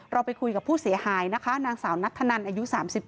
เราไปคุยกับผู้เสียหายนะคะนางสาวนัทธนันอายุ๓๙